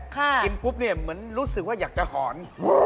กินปุ๊บเนี่ยเหมือนรู้สึกว่าอยากจะหอน